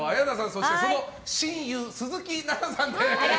そして、その親友鈴木奈々さんです。